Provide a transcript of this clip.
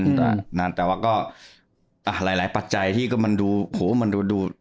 อ่านั่นแต่ว่าก็อ่าหลายหลายปัจจัยที่ก็มันดูโหมันดูดู